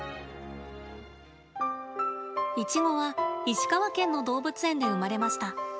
イチゴは石川県の動物園で生まれました。